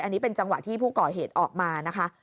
อันนี้เป็นจังหวะที่ผู้ก่อเหตุออกมานะคะ